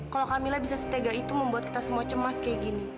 kalau kamila bisa setega itu membuat kita semua cemas kayak gini